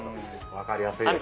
分かりやすいですね。